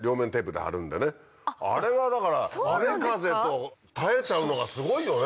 あれが雨風と耐えちゃうのがすごいよね！